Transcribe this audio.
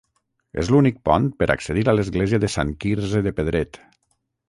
És l'únic pont per accedir a l'església de Sant Quirze de Pedret.